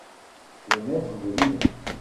Les maîtres de l’île !..